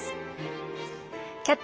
「キャッチ！